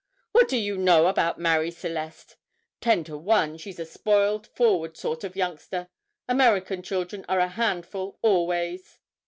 What do you know about Marie Celeste? Ten to one she's a spoiled, forward sort of youngster. American children are a handful always."